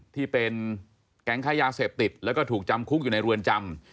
ที่เป็นแก๊งค้ายาเสพติดแล้วก็ถูกจำคุกอยู่ในเรือนจำ